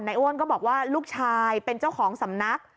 อ้วนก็บอกว่าลูกชายเป็นเจ้าของสำนัก